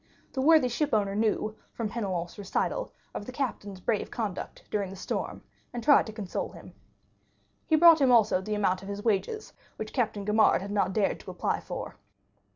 The worthy shipowner knew, from Penelon's recital, of the captain's brave conduct during the storm, and tried to console him. He brought him also the amount of his wages, which Captain Gaumard had not dared to apply for.